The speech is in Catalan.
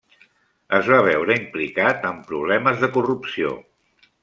Es va veure implicat amb problemes de corrupció.